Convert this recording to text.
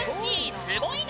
すごいな！